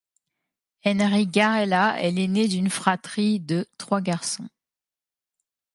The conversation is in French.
Henri Garella est l'aîné d'une fratrie de trois garçons.